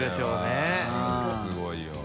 すごいよ。